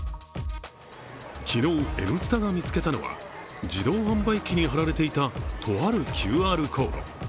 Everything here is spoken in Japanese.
昨日、「Ｎスタ」が見つけたのは自動販売機に貼られていたとあるＱＲコード。